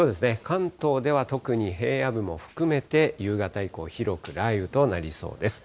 関東では特に平野部も含めて、夕方以降、広く雷雨となりそうです。